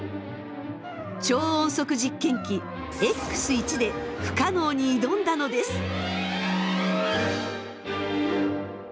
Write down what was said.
超音速実験機Ｘー１で不可能に挑んだのです。